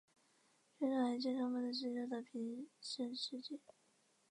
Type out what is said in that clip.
卷首还介绍孟德斯鸠的生平事迹。